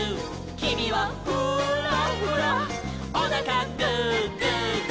「きみはフーラフラ」「おなかグーグーグー」